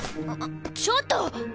ちょっと！